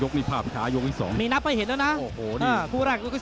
ยกมีภาพช้ายกที่๒มีนับให้เห็นแล้วนะผู้แรกยกที่๒เนี่ย